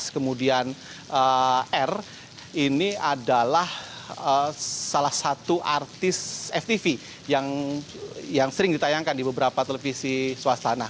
kemudian r ini adalah salah satu artis ftv yang sering ditayangkan di beberapa televisi swastana